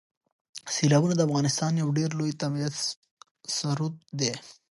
سیلابونه د افغانستان یو ډېر لوی طبعي ثروت دی.